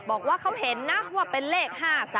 บอกว่าเขาเห็นนะว่าเป็นเลข๕๓